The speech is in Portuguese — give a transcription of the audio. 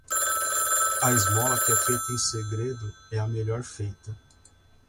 A esmola que é feita em segredo é a melhor feita.